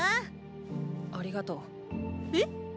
ありがとう。え？